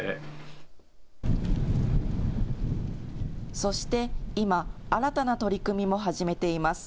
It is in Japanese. そして今、新たな取り組みも始めています。